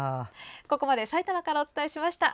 ここまで、さいたまからお伝えしました。